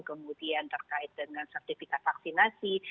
kemudian terkait dengan sertifikat vaksinasi